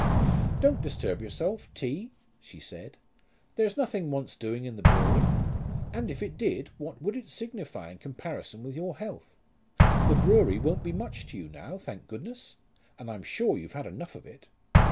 "Don't disturb yourself, T.," she said; "there's nothing wants doing in the brewery, and if it did what would it signify in comparison with your health? The brewery won't be much to you now, thank goodness; and I'm sure you've had enough of it.